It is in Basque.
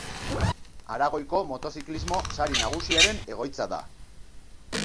Aragoiko Motoziklismo Sari Nagusiaren egoitza da.